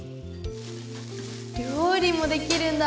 料理もできるんだ。